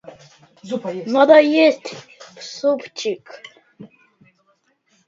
Филиппины и Ливию связывают тесные и динамичные двусторонние узы.